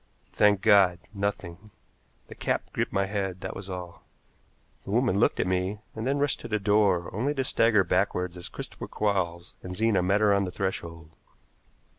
Thank God! Nothing. The cap gripped my head, that was all. The woman looked at me, and then rushed to the door, only to stagger backward as Christopher Quarles and Zena met her on the threshold.